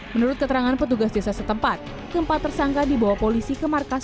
menurut keterangan petugas desa setempat keempat tersangka dibawa polisi ke markas